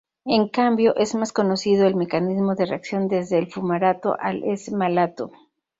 En cambio, es más conocido el mecanismo de reacción desde el fumarato al S-malato.